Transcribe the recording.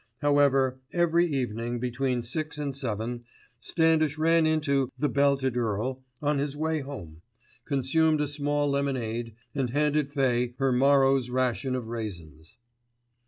However, every evening between six and seven Standish ran into "The Belted Earl" on his way home, consumed a small lemonade, and handed Fay her morrow's ration of raisins.